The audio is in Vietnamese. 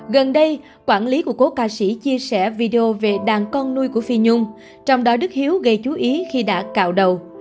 gần đây quản lý của cố ca sĩ chia sẻ video về đàn con nuôi của phi nhung trong đó đức hiếu gây chú ý khi đã cạo đầu